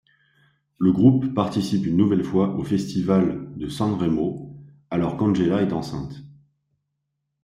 Le groupe participe une nouvelle fois au Festival de Sanremo, alors qu'Angela est enceinte.